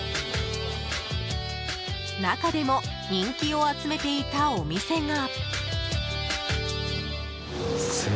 中でも人気を集めていたお店が。